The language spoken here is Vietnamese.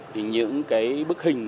thì những cái bức hình